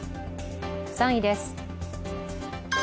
３位です。